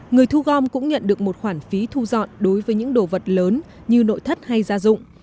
người thu gom cũng nhận được một khoản phí thu dọn đối với những đồ vật lớn như nội thất hay gia dụng